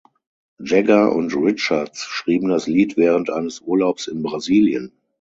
Jagger und Richards schrieben das Lied während eines Urlaubs in Brasilien.